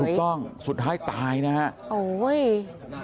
ถูกต้องสุดท้ายตายนะฮะโอ้ย